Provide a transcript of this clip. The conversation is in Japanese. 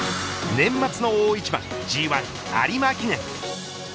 年末の大一番Ｇ１有馬記念。